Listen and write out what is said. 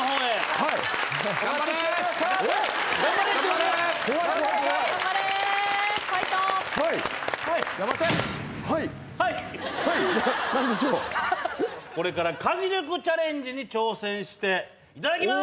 はいいやこれから家事力チャレンジに挑戦していただきます